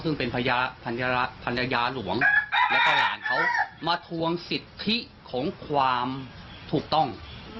ซึ่งเป็นภรรยาหลวงแล้วก็หลานเขามาทวงสิทธิของความถูกต้อง